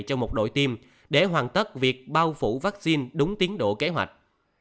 cho một đội tiêm để hoàn tất việc bao phủ vaccine đúng tiến độ kế hoạch